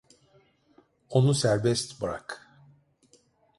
Onu serbest bırak.